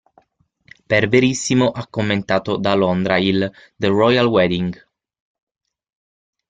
Per "Verissimo" ha commentato da Londra il "The Royal Wedding".